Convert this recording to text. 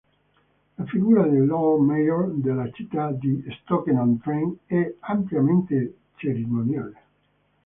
La figura del Lord Mayor della città di Stoke-on-Trent è ampiamente cerimoniale.